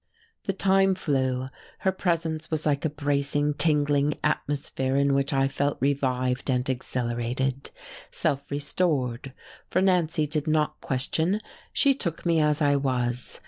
The time flew. Her presence was like a bracing, tingling atmosphere in which I felt revived and exhilarated, self restored. For Nancy did not question she took me as I was.